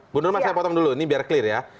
bu nurma saya potong dulu ini biar clear ya